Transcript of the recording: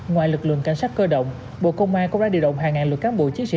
ngoài lực lượng cảnh sát cơ động bộ công an cũng đã điều động hàng ngàn lượt cán bộ chiến sĩ